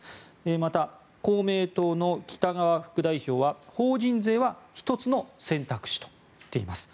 また、公明党の北側副代表は法人税は１つの選択肢と言っています。